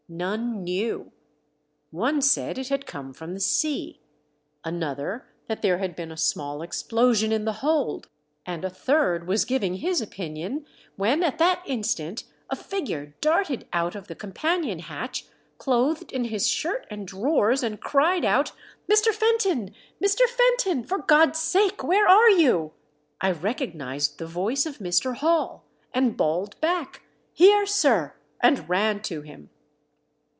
None knew. One said it had come from the sea, another that there had been a small explosion in the hold, and a third was giving his opinion, when at A TRAGICAL DEATH. 55 that Instant a figure darted out of the com panion hatch, clothed in his shirt and drawers, and cried out, " Mr. Fenton ! Mr. Fenton ! For God's sake, where are you ?" I recognized the voice of Mr. Hall, and bawled back, "Here, sir!" and ran to him.